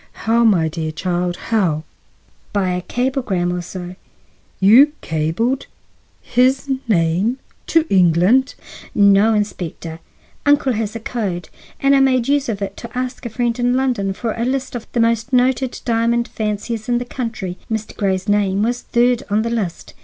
"How, my dear child, how?" "By a cablegram or so." "You—cabled—his name—to England?" "No, Inspector; uncle has a code, and I made use of it to ask a friend in London for a list of the most noted diamond fanciers in the country. Mr. Grey's name was third on the list."